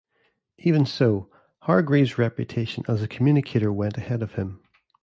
Even so, Hargreaves' reputation as a communicator went ahead of him.